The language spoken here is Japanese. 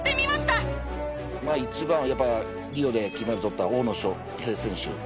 まあ一番はやっぱリオで金メダルとった大野将平選手。